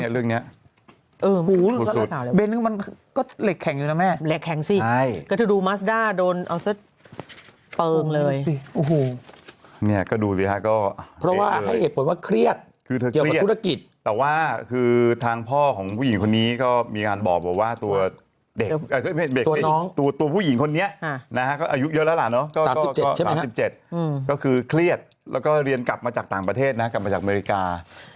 รัชดาเข้าวิภาวดีก่อนกลับรัชดาวนกลับมา